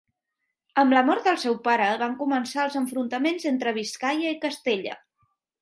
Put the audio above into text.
Amb la mort del seu pare van començar els enfrontaments entre Biscaia i Castella.